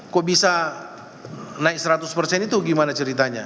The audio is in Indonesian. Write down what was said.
kok bisa naik seratus persen itu gimana ceritanya